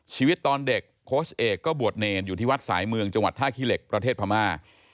ชีวิตตอนเด็กโค้ชเอกก็บวชเนรอยู่ที่วัดสายเมืองจังหวัดท่าขี้เหล็กประเทศพม่า